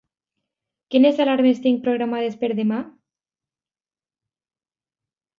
Quines alarmes tinc programades per demà?